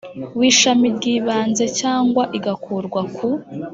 w ishami ry ibanze cyangwa igakurwa ku